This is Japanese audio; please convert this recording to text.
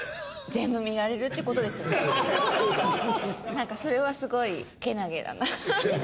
なんかそれはすごい健気だな。